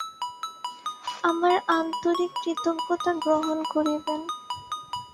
আমার আন্তরিক কৃতজ্ঞতা গ্রহণ করিবেন।